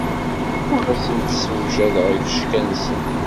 Ur asen-d-ssewjadeɣ ifecka-nsen.